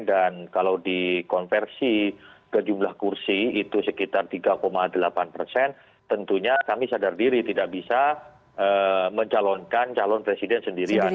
dan kalau dikonversi ke jumlah kursi itu sekitar tiga delapan persen tentunya kami sadar diri tidak bisa mencalonkan calon presiden sendirian